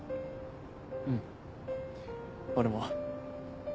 うん俺も。